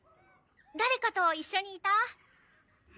誰かと一緒にいた？